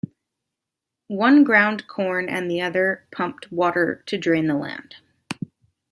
One ground corn and the other pumped water to drain the land.